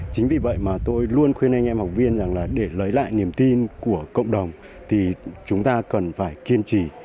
chính vì vậy mà tôi luôn khuyên anh em học viên rằng là để lấy lại niềm tin của cộng đồng thì chúng ta cần phải kiên trì